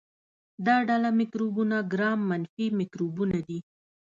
دا ډله مکروبونه ګرام منفي مکروبونه دي.